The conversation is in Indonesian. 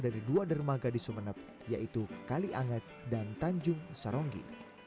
dari dua dermaga di sumeneb yaitu kalianget dan tanjung saronggi